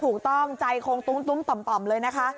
ถูกต้องใจคงตุ้มต่อมเลยนะคะ